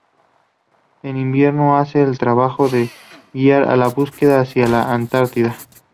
En invierno, hacer el trabajo de guiar a los buques hacia la Antártida.